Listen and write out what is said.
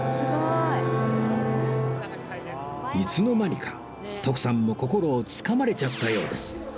いつの間にか徳さんも心をつかまれちゃったようです